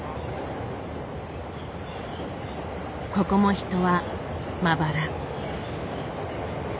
ここも人はまばら。